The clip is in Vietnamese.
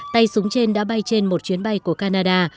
tay súng trên đã bay trên một chuyến bay của canada